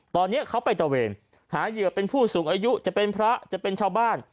ตอนนี้เขาไปตะเวนหาเหยื่อเป็นผู้สูงอายุจะเป็นพระจะเป็นชาวบ้าน